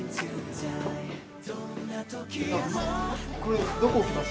これどこ置きます？